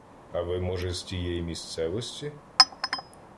А ви, може, з тієї місцевості?